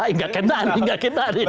enggak kena enggak kena